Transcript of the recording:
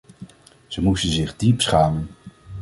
Ze moesten zich diep schamen.